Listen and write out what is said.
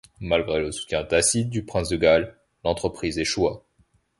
Malgré le soutien tacite du prince de Galles, l'entreprise échoua.